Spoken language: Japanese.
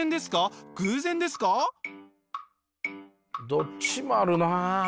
どっちもあるな。